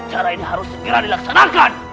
cara ini harus segera dilaksanakan